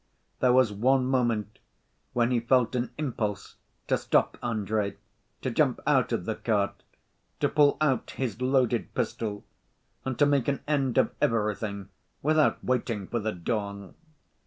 There was one moment when he felt an impulse to stop Andrey, to jump out of the cart, to pull out his loaded pistol, and to make an end of everything without waiting for the dawn.